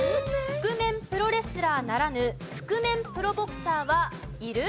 覆面プロレスラーならぬ覆面プロボクサーはいる？